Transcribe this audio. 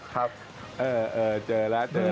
ครับครับเออเจอแล้วครับ